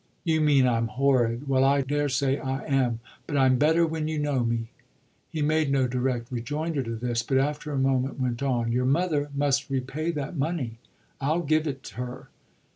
"You mean I'm horrid. Well, I daresay I am. But I'm better when you know me." He made no direct rejoinder to this, but after a moment went on: "Your mother must repay that money. I'll give it her."